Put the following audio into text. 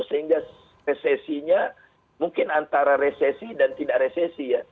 sehingga resesinya mungkin antara resesi dan tidak resesi ya